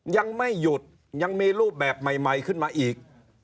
ยังไม่หยุดยังมีรูปแบบใหม่ขึ้นมาอีก